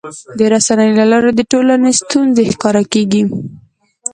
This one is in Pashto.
د رسنیو له لارې د ټولنې ستونزې ښکاره کېږي.